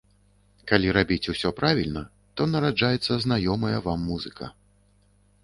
Калі рабіць усё правільна, то нараджаецца знаёмая вам музыка.